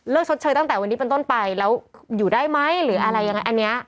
ชดเชยตั้งแต่วันนี้เป็นต้นไปแล้วอยู่ได้ไหมหรืออะไรยังไงอันนี้